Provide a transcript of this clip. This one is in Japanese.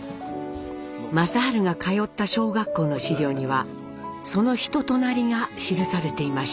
正治が通った小学校の資料にはその人となりが記されていました。